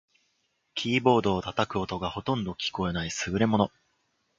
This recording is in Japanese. キーボードを叩く音がほとんど聞こえない優れもの